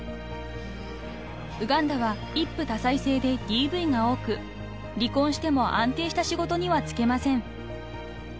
［ウガンダは一夫多妻制でＤＶが多く離婚しても安定した仕事には就けません］